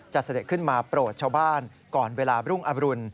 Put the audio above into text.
เสด็จขึ้นมาโปรดชาวบ้านก่อนเวลารุ่งอบรุณ